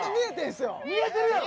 僕ら見えてるやろ？